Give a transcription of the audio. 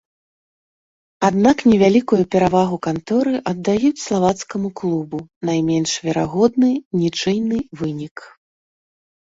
Аднак невялікую перавагу канторы аддаюць славацкаму клубу, найменш верагодны нічыйны вынік.